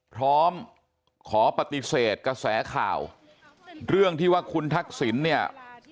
พร้อมขอปฏิเสธกระแสข่าวเรื่องที่ว่าคุณทักษิณเนี่ย